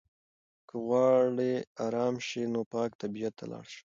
که غواړې ارام شې نو پاک طبیعت ته لاړ شه.